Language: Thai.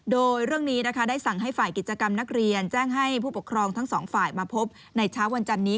โดยเรื่องนี้นะคะได้สั่งให้ฝ่ายกิจกรรมนักเรียนแจ้งให้ผู้ปกครองทั้งสองฝ่ายมาพบในเช้าวันจันนี้